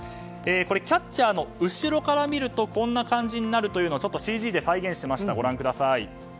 キャッチャーの後ろから見るとこんな感じというのをちょっとＣＧで再現したのでご覧ください。